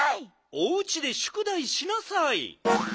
おうちでしゅくだいしなさい！